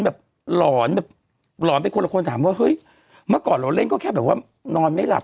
หลอนแบบหลอนเป็นคนละคนถามว่าเฮ้ยเมื่อก่อนเราเล่นก็แค่แบบว่านอนไม่หลับ